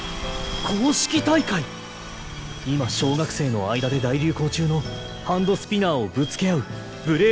今小学生の間で大流行中のハンドスピナーをぶつけ合う昨日はきっと夜遅くまで